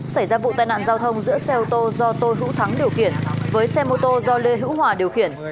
xảy ra vụ tai nạn giao thông giữa xe ô tô do tô hữu thắng điều khiển với xe mô tô do lê hữu hòa điều khiển